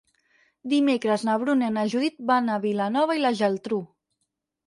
Dimecres na Bruna i na Judit van a Vilanova i la Geltrú.